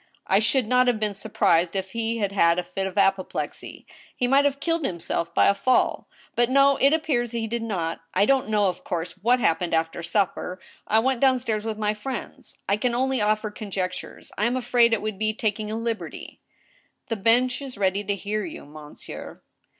I should not have been surprised if he had had a fit of apoplexy. He might have killed himself by a fall ;... but no, it appears he did not. I don't know, of course, what happened after supper. I went down stairs with my friends. ... I can only offer conjectures. ... I am afraid it would be taking a liberty —"" The bench is ready to hear you. monsieur